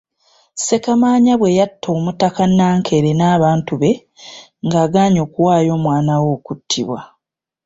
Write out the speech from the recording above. Ssekamaanya bwe yatta omutaka Nnankere n'abantu be ng'agaanyi okuwaayo omwana we okuttibwa.